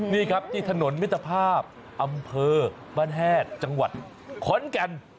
นี่ครับที่ถนนมิตรภาพอำเภอบ้านแฮดจังหวัดขอนแก่น